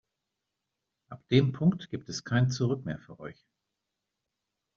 Ab dem Punkt gibt es kein Zurück mehr für euch.